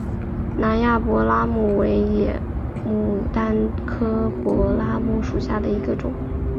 南亚柏拉木为野牡丹科柏拉木属下的一个种。